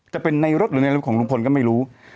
จะเป็นในรถหรือในรถของลุงพลก็ไม่รู้